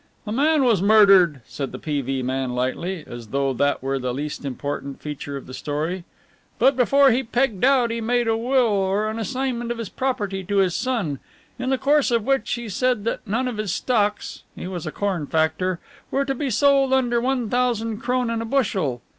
"A man was murdered," said the P.V. man lightly, as though that were the least important feature of the story, "but before he pegged out he made a will or an assignment of his property to his son, in the course of which he said that none of his stocks he was a corn factor were to be sold under one thousand Kronen a bushel.